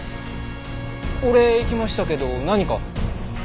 俺行きましたけど何か？